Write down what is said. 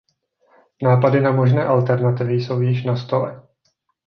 Nápady na možné alternativy jsou již na stole.